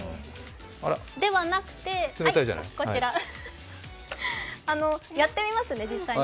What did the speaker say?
ではなくてやってみますね、実際に。